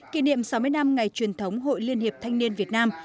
kỷ niệm sáu mươi năm ngày truyền thống hội liên hiệp thanh niên việt nam